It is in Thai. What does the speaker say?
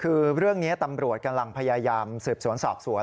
คือเรื่องนี้ตำรวจกำลังพยายามสืบสวนสอบสวน